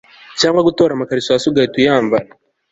cyangwa gutora amakariso hasi ugahita uyambara